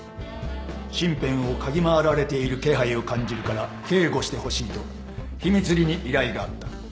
身辺を嗅ぎ回られている気配を感じるから警護してほしいと秘密裏に依頼があった。